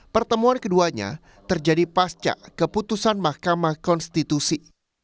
pertemuan keduanya terjadi pasca keputusan mahkamah konstitusi